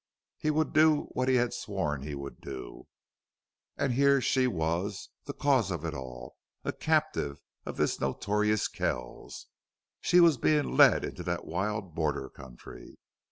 He would do what he had sworn he would. And here she was, the cause of it all, a captive of this notorious Kells! She was being led into that wild border country.